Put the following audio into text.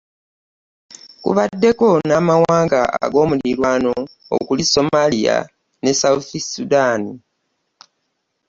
Kubaddeko n'amawanga ag'omuliraano okuli Somalia ne South Sudan